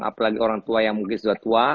apalagi orang tua yang mungkin sudah tua